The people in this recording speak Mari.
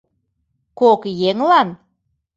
Кок еҥлан?